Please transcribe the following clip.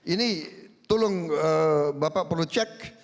ini tolong bapak perlu cek